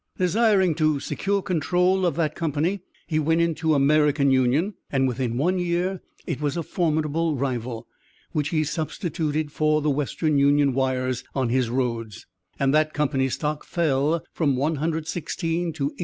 Desiring to secure control of that company, he went into American Union, and within one year it was a formidable rival, which he substituted for the Western Union wires on his roads, and that company's stock fell from 116 to 88.